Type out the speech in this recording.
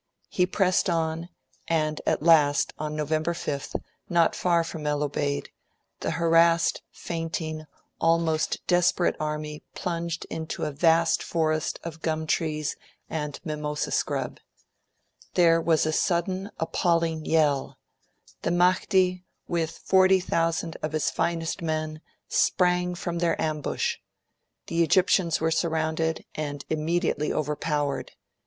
He pressed on, and at last, on November 5th, not far from El Obeid, the harassed, fainting, almost desperate army plunged into a vast forest of gumtrees and mimosa scrub. There was a sudden, appalling yell; the Mahdi, with 40,000 of his finest men, sprang from their ambush. The Egyptians were surrounded, and immediately overpowered.